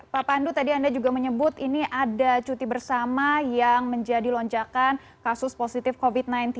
pak pandu tadi anda juga menyebut ini ada cuti bersama yang menjadi lonjakan kasus positif covid sembilan belas